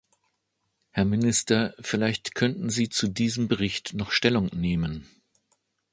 Herr Minister, vielleicht könnten Sie zu diesem Bericht noch Stellung nehmen.